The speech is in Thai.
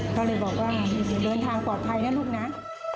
เขาเลยบอกว่าเดินทางปลอดภัยนะทุกหน้า